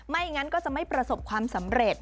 งั้นก็จะไม่ประสบความสำเร็จ